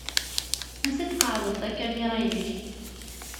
Ansi d-tqeεεdeḍ takamira-inek?